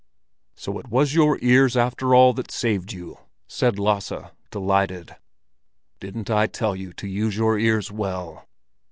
"So it was your ears after all that saved you," said Lasse, delighted. "Didn't I tell you to use your ears well?